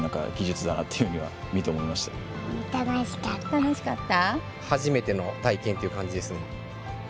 楽しかった？